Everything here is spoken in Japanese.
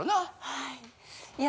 はい。